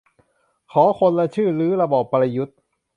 ขอคนละชื่อรื้อระบอบประยุทธ์